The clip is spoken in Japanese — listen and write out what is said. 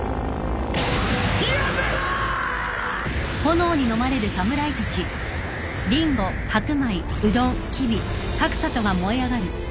やめろーっ！！